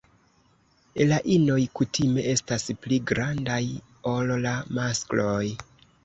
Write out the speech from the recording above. La inoj kutime estas pli grandaj ol la maskloj.